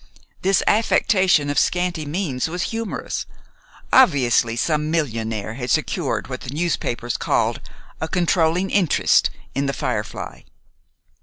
This affectation of scanty means was humorous. Obviously, some millionaire had secured what the newspapers called "a controlling interest" in "The Firefly."